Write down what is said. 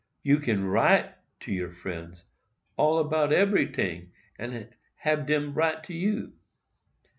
You can write to your friends all 'bout ebery ting, and so hab dem write to you.